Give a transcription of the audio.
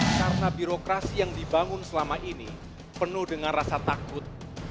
karena birokrasi yang dibangun selama ini penuh dengan rasa takut